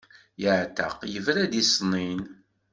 Yeɛteq yebra-d i ṣṣnin.